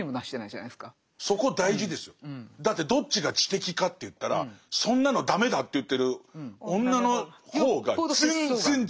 だってどっちが知的かっていったらそんなの駄目だって言ってるよっぽど節操がある。